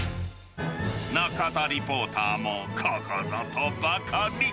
中田リポーターもここぞとばかり。